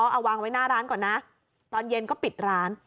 เอาวางไว้หน้าร้านก่อนนะตอนเย็นก็ปิดร้าน